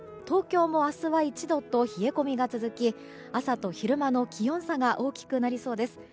東京も明日は１度と冷え込みが続き朝と昼間の気温差が大きくなりそうです。